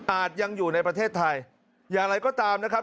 ยังอยู่ในประเทศไทยอย่างไรก็ตามนะครับ